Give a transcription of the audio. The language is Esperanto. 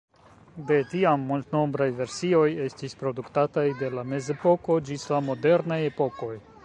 De tiam, multnombraj versioj estis produktataj, de la mezepoko ĝis la modernaj epokoj.